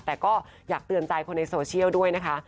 แต่ก็อยากเตือนใจคนในโซเชียลด้วยนะคะ